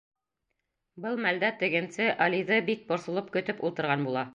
Был мәлдә тегенсе Алиҙы бик борсолоп көтөп ултырған була.